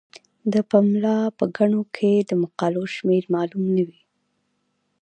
د پملا په ګڼو کې د مقالو شمیر معلوم نه وي.